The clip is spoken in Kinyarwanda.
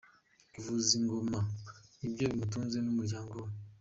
Kuvuza ingoma nibyo bimutunze n'umuryango we.